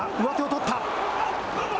上手を取った。